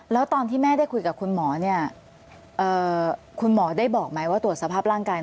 แล้วตอนที่แม่ได้คุยกับคุณหมอเนี่ยคุณหมอได้บอกไหมว่าตรวจสภาพร่างกาย